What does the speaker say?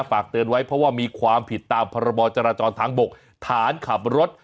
ฝากเตือนไว้เพราะว่ามีความผิดตามพรบจราจรทางบกฐานขับรถ